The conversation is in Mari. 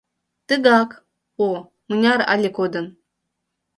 Тыгак, о, мыняр але кодын